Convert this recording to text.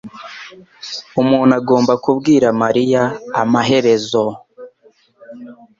Umuntu agomba kubwira mariya amaherezo